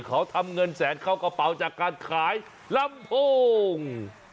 เขาทำเงินแสนเข้ากระเป๋าจากการขายลำโพง